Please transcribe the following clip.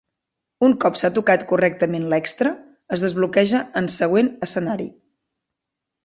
Un cop s'ha tocat correctament l'extra, es desbloqueja en següent escenari.